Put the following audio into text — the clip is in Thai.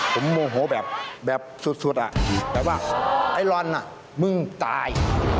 ผมโมโหแบบสุดแบบว่าไอ้มึงตาย